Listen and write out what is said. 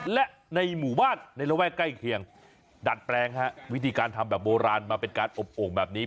และในหมู่บ้านในระแวกใกล้เคียงดัดแปลงฮะวิธีการทำแบบโบราณมาเป็นการอบโอ่งแบบนี้